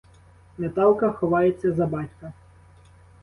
Наталка ховається за батька.